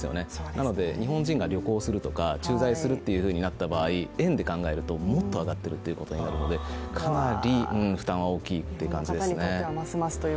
なので日本人が旅行するとか駐在するとなった場合、円で考えるともっと上がっているということになるのでかなり負担は大きいという感じですね。